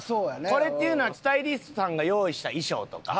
これっていうのはスタイリストさんが用意した衣装とか。